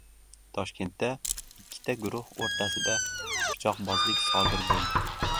Toshkentda ikkita guruh o‘rtasida pichoqbozlik sodir bo‘ldi